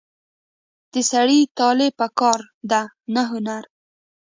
د سړي طالع په کار ده نه هنر.